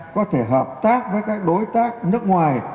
có thể hợp tác với các đối tác nước ngoài